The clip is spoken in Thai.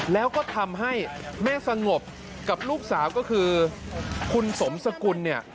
แล้วก็ทำให้แม่สงบกับลูกสาวก็คือคุณสมสกุลเนี่ย